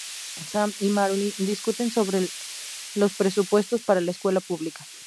Sam y Mallory discuten sobre los presupuestos para la Escuela Pública.